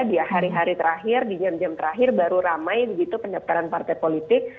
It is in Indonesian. di hari hari terakhir di jam jam terakhir baru ramai begitu pendaftaran partai politik